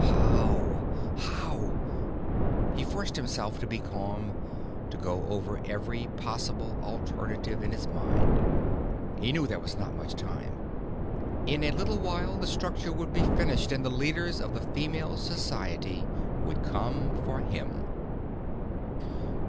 How? How? He forced himself to be calm, to go over every possible alternative in his mind. He knew there was not much time. In a little while, the structure would be finished and the leaders of the Female Society would come for him.